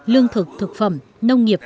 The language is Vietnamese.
lương thực thực phẩm nông nghiệp